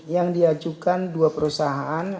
yang diajukan dua perusahaan